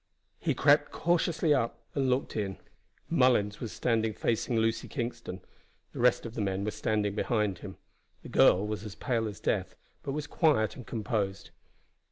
He crept cautiously up and looked in. Mullens was standing facing Lucy Kingston; the rest of the men were standing behind him. The girl was as pale as death, but was quiet and composed.